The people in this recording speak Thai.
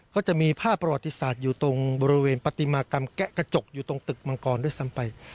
ก็จะมีภาพประวัติศาสตร์อยู่ตรงบริเวณปฏิมากรรมแกะกระจกอยู่ตรงตึกมังกรด้วยซ้ำไป